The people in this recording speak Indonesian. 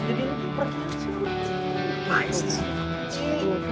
jadi ini untuk perginya